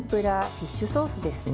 フィッシュソースですね。